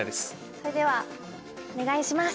それではお願いします。